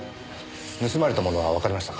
盗まれたものはわかりましたか？